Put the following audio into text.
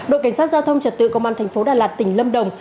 đội cảnh sát giao thông trật tự công an tp đà lạt tỉnh lâm đồng